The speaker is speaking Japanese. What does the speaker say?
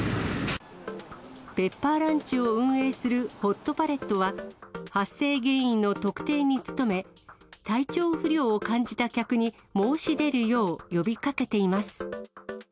ペッパーランチを運営するホットパレットは、発生原因の特定に努め、体調不良を感じた客に申し出るよう呼びかけています。